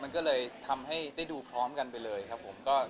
มันก็เลยทำให้ได้ดูพร้อมกันไปเลยครับผม